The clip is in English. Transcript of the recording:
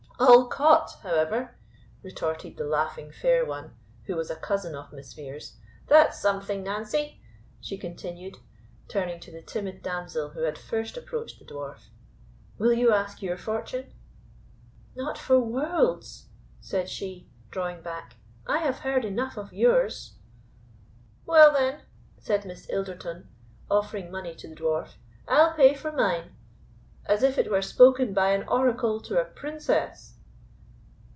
"All CAUGHT, however," retorted the laughing fair one, who was a cousin of Miss Vere's; "that's something, Nancy," she continued, turning to the timid damsel who had first approached the Dwarf; "will you ask your fortune?" "Not for worlds," said she, drawing back; "I have heard enough of yours." "Well, then," said Miss Ilderton, offering money to the Dwarf, "I'll pay for mine, as if it were spoken by an oracle to a princess."